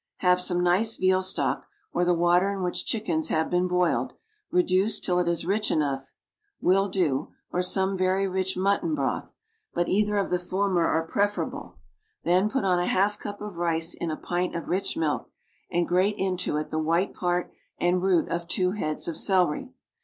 Have some nice veal stock, or the water in which chickens have been boiled, reduced till it is rich enough, will do, or some very rich mutton broth, but either of the former are preferable; then put on a half cup of rice in a pint of rich milk, and grate into it the white part and root of two heads of celery.